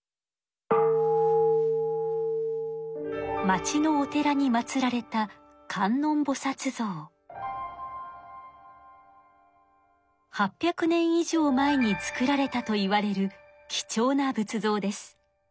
町のお寺に祭られた８００年以上前に作られたといわれるきちょうな仏像です。